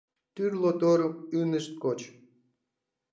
Тӱрлӧ торым ынышт коч.